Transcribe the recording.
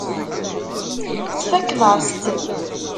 Tfakkeḍ-as-tt.